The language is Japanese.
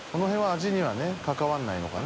味には関わらないのかな？